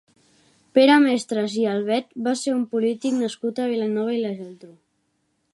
Pere Mestres i Albet va ser un polític nascut a Vilanova i la Geltrú.